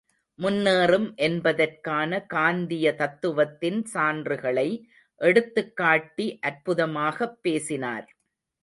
முன்னேறும் என்பதற்கான காந்திய தத்துவத்தின் சான்றுகளை எடுத்துக் காட்டி அற்புதமாகப் பேசினார்.